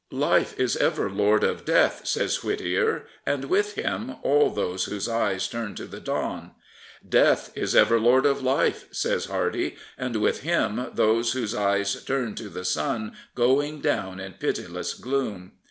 " Life is ever Lord of Death," says Whittier, and with him all those whose eyes turn to the dawn. " Death is ever Lord of life," says Hardy, and with him those whose eyes turn to the sun going down in pitiless gloom.